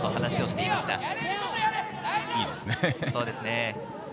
いいですね。